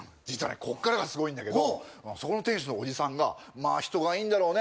こっからがすごいんだけどそこの店主のおじさんがまあ人がいいんだろうね